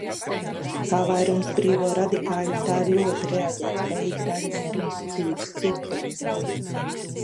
Kā vairums brīvo radikāļu, tā ir ļoti reaģētspējīga daļiņa ar īsu dzīves laiku.